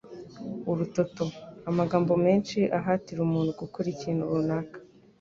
Urutoto: Amagambo menshi ahatira umuntu gukora ikintu runaka.